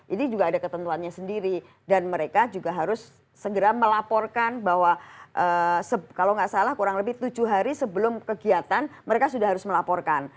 ini juga ada ketentuannya sendiri dan mereka juga harus segera melaporkan bahwa kalau nggak salah kurang lebih tujuh hari sebelum kegiatan mereka sudah harus melaporkan